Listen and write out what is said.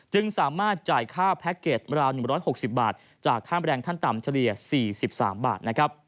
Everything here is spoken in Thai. จึงสามารถจ่ายค่าแพ็คเกจราว๑๖๐บาทจากค่าแรงขั้นต่ำเฉลี่ย๔๓บาท